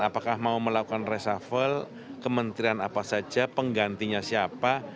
apakah mau melakukan resafel kementerian apa saja penggantinya siapa